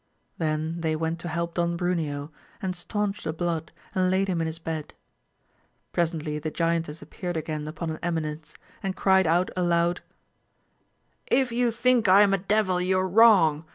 Then they went to help Don Bruneo, and staunch the blood and laid him in his bed. Presently the giantess appeared again upon an eminence, and cried out aloud, If you think I am a devil you are wrong